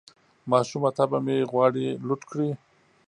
ماشومه طبعه مې غواړي لوټ کړي